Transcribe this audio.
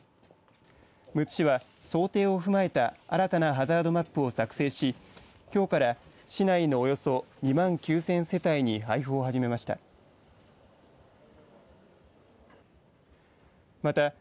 むつ市は想定を踏まえた新たなハザードマップを作成しきょうから市内のおよそ２万９０００世帯に配布を始めました。